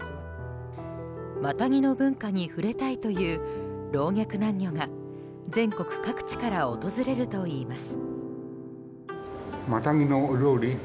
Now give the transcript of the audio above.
マタギの文化に触れたいという老若男女が全国各地から訪れるといいます。